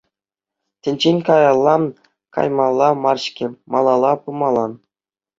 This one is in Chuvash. Тӗнчен каялла каймалла мар-ҫке, малалла пымалла.